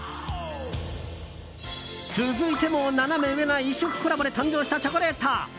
続いてもナナメ上な異色コラボで誕生したチョコレート。